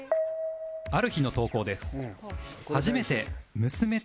ある日の投稿です